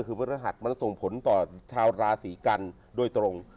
คือพระราชมันส่งผลต่อชาวราศีกัณฑ์โดยตรง